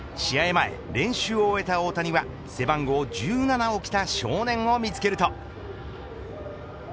前、練習を終えた大谷は背番号１７を着た少年を見つけると。